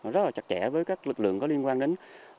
rất là chặt chẽ với các lực lượng có liên quan đến